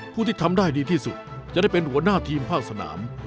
ผู้ที่ทำได้ดีที่สุดจะได้เป็นหัวหน้าทีมภาคสนาม